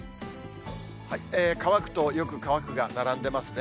乾くとよく乾くが並んでますね。